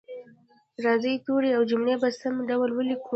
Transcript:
راځئ توري او جملې په سم ډول ولیکو